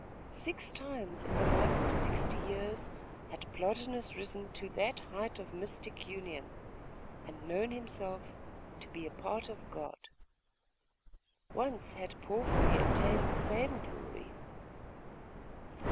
Six times in a life of sixty years had Plotinus risen to that height of mystic union, and known himself to be a part of God. Once had Porphyry attained the same glory.